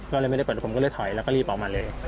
ก็เลยไม่ได้เปิดผมก็เลยถอยแล้วก็รีบออกมาเลย